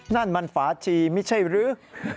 นั่นมันฝาชีไม่ใช่หรือ